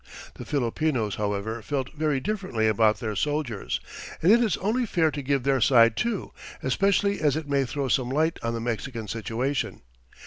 The Filipinos, however, felt very differently about their soldiers, and it is only fair to give their side too, especially as it may throw some light on the Mexican situation.